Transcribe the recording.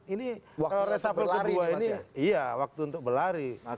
ini kalau reshuffle kedua ini iya waktu untuk berlari